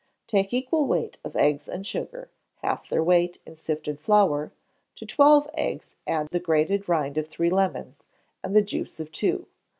Take equal weight of eggs and sugar; half their weight in sifted flour; to twelve eggs add the grated rind of three lemons, and the juice of two.